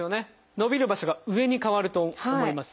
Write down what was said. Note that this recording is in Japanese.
伸びる場所が上に変わると思います。